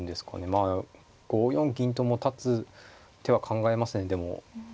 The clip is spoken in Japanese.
まあ５四銀ともう立つ手は考えますねでも。